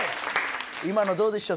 今のどうでした？